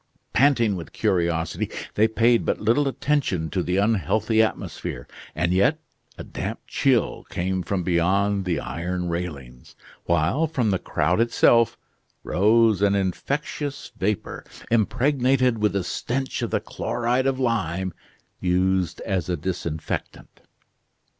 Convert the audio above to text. Panting with curiosity, they paid but little attention to the unhealthy atmosphere: and yet a damp chill came from beyond the iron railings, while from the crowd itself rose an infectious vapor, impregnated with the stench of the chloride of lime used as a disinfectant.